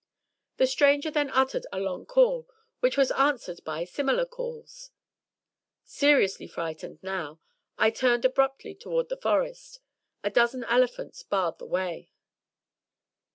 The stranger then uttered a long call, which was answered by similar calls. Seriously frightened now, I turned abruptly towards the Forest. A dozen elephants barred the way.